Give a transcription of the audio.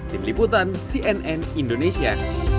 tim liputan cnn indonesia